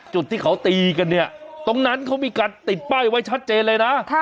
จุดที่เขาตีกันเนี่ยตรงนั้นเขามีการติดป้ายไว้ชัดเจนเลยนะ